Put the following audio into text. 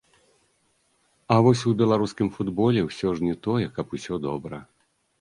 А вось у беларускім футболе ўсё ж не тое, каб усё добра.